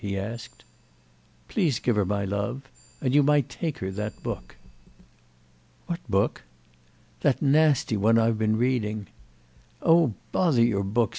he asked. "Please give her my love. And you might take her that book." "What book?" "That nasty one I've been reading." "Oh bother your books!"